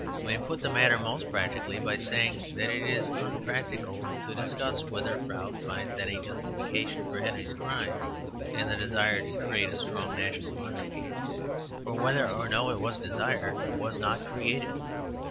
We may put the matter most practically by saying that it is unpractical to discuss whether Froude finds any justification for Henry's crimes in the desire to create a strong national monarchy. For whether or no it was desired, it was not created.